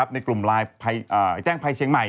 ในกลุ่มไลน์แจ้งภัยเชียงใหม่